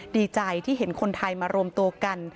ดีใจที่เห็นคนไทยมารวมตัวกัน